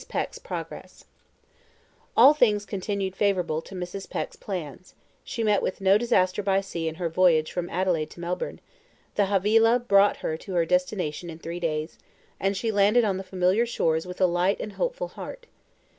Peck's Progress All things continued favourable to Mrs. Peck's plans she met with no disaster by sea in her voyage from Adelaide to Melbourne; the 'Havilah' brought her to her destination in three days, and she landed on the familiar shores with a light and hopeful heart.